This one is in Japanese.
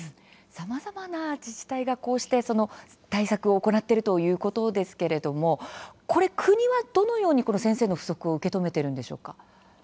さまざまな自治体が対策を行っているということですが国はどのように先生の不足を受け止めているんでしょうか。